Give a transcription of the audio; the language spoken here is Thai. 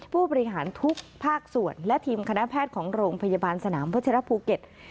ผู้บริหารทุกภาคส่วนและทีมคณะแพทย์ของโรงพยาบาลสนามวัชิรภูเก็ต